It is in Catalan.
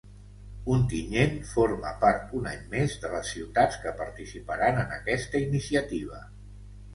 Ontinyent forma part un any més de les ciutats que participaran en aquesta iniciativa.